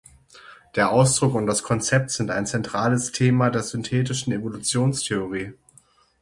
Der Ausdruck und das Konzept sind ein zentrales Thema der synthetischen Evolutionstheorie.